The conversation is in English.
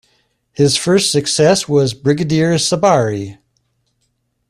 His first success was "Brigadier Sabari".